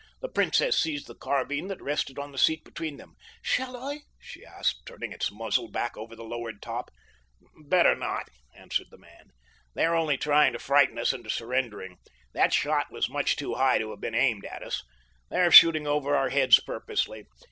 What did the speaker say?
The princess seized the carbine that rested on the seat between them. "Shall I?" she asked, turning its muzzle back over the lowered top. "Better not," answered the man. "They are only trying to frighten us into surrendering—that shot was much too high to have been aimed at us—they are shooting over our heads purposely.